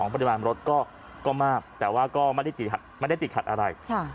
ปริมาณรถก็มากแต่ว่าก็ไม่ได้ติดขัดอะไร